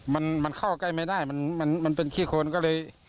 มันมันเข้าใกล้ไม่ได้มันมันเป็นขี้คนก็เลย